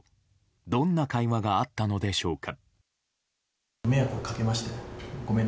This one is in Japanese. どんな会話があったのでしょうか。